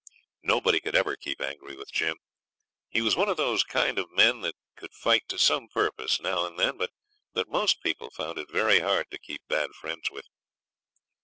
Nobody could ever keep angry with Jim. He was one of those kind of men that could fight to some purpose now and then, but that most people found it very hard to keep bad friends with.